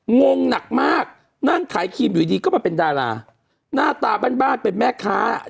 งงหนักมากนั่งขายครีมอยู่ดีก็มาเป็นดาราหน้าตาบ้านบ้านเป็นแม่ค้า